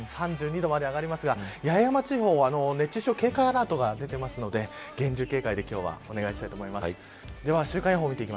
３２度まで上がりますが八重山地方は熱中症警戒アラートが出ているので厳重警戒で今日はお願いしたいと思います。